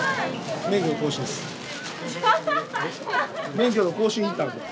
免許の更新行ったんですよ。